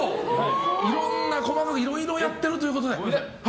細かくいろいろやってるということで。